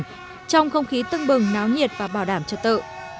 trong không khí tưng bừng náo nhiệt và bảo đảm trật tự